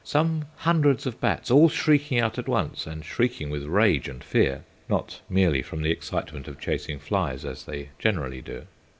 Some hundreds of bats all shrieking out at once, and shrieking with rage and fear (not merely from the excitement of chasing flies, as they generally do).